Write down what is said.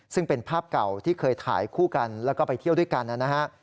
ซึ่งเป็นภาพเก่าที่เคยถ่ายคู่กันแล้วก็ไปเที่ยวด้วยกันนะฮะ